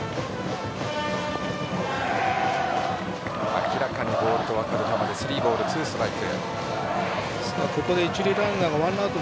明らかにボールと分かる球でスリーボール、ツーストライク。